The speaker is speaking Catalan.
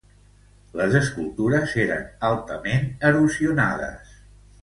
Les escultures eren altament erosionades.